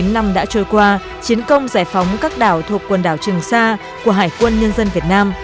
bốn mươi năm đã trôi qua chiến công giải phóng các đảo thuộc quần đảo trường sa của hải quân nhân dân việt nam